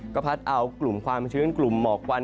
ก็พัดเอากลุ่มความชื้นกลุ่มหมอกควัน